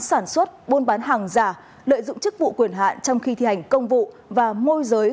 sản xuất buôn bán hàng giả lợi dụng chức vụ quyền hạn trong khi thi hành công vụ và môi giới